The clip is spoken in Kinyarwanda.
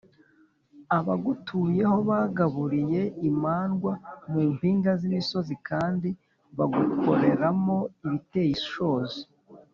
abagutuyeho bagaburiye imandwa mu mpinga z’imisozi, kandi bagukoreramo ibiteye ishozi